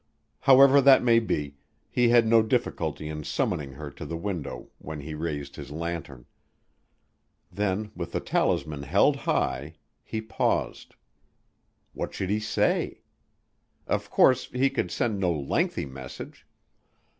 However that may be, he had no difficulty in summoning her to the window when he raised his lantern. Then, with the talisman held high, he paused. What should he say? Of course he could send no lengthy message.